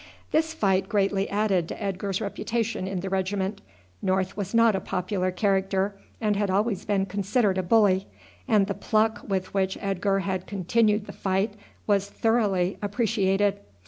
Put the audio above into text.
This fight greatly added to Edgar's reputation in the regiment. North was not a popular character and had always been considered a bully, and the pluck with which Edgar had continued the fight was thoroughly appreciated.